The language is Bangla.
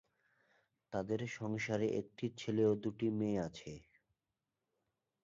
তাদের সংসারে একটি ছেলে ও দুইটি মেয়ে আছে।